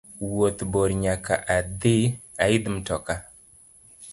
Wuoth bor nyaka aidh matoka.